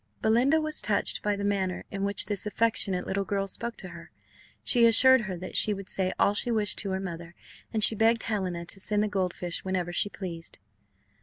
Belinda was touched by the manner in which this affectionate little girl spoke to her. She assured her that she would say all she wished to her mother, and she begged Helena to send the gold fish whenever she pleased.